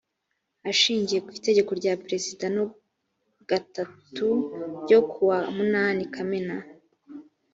ashingiye ku itegeko rya perezida no gatatu ryo kuwa munani kamena